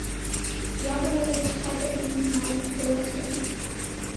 Ярай әле хәҙергә минең малым теүәл тора.